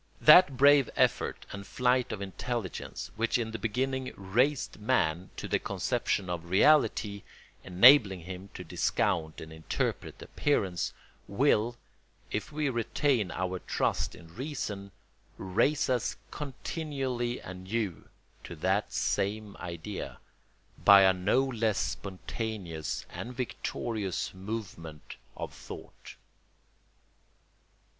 That brave effort and flight of intelligence which in the beginning raised man to the conception of reality, enabling him to discount and interpret appearance, will, if we retain our trust in reason, raise us continually anew to that same idea, by a no less spontaneous and victorious movement of thought.